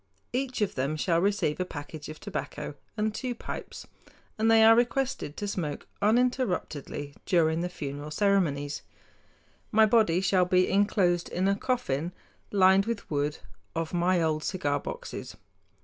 Each of them shall receive a package of tobacco and two pipes, and they are requested to smoke uninterruptedly during the funeral ceremonies. My body shall be inclosed in a coffin lined with wood of my old cigar boxes.